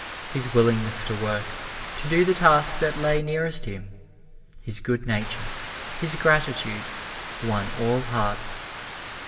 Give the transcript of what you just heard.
His willingness to work to do the task that lay nearest him his good nature, his gratitude, won all hearts.